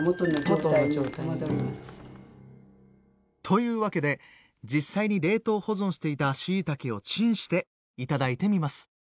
というわけで実際に冷凍保存していたしいたけをチンして頂いてみます。